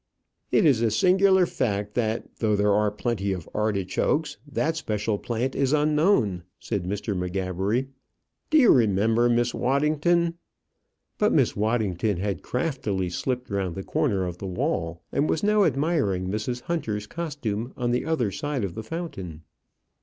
"It is a singular fact, that though there are plenty of artichokes, that special plant is unknown," said Mr. M'Gabbery. "Do you remember, Miss Waddington " But Miss Waddington had craftily slipped round the corner of the wall, and was now admiring Mrs. Hunter's costume, on the other side of the fountain.